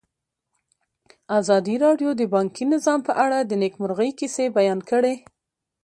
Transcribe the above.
ازادي راډیو د بانکي نظام په اړه د نېکمرغۍ کیسې بیان کړې.